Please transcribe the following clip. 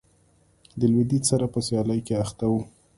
د لوېدیځ سره په سیالۍ کې اخته و.